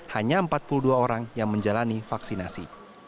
hanya empat puluh dua orang yang menjalani vaksinasi